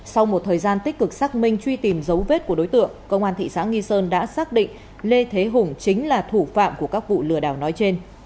sau một thời gian tích cực xác minh truy tìm dấu vết của đối tượng công an thị xã nghi sơn đã xác định lê thế hùng chính là thủ phạm của các vụ lừa đảo nói trên